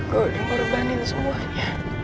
gue dimorbanin semuanya